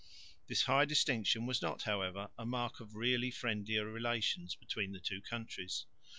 This high distinction was not, however, a mark of really friendlier relations between the two countries.